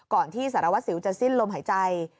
ที่สารวัสสิวจะสิ้นลมหายใจ